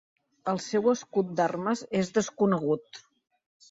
El seu escut d'armes és desconegut.